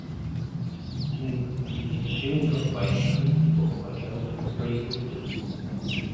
In the ensuing gunfight, three people were killed and three wounded.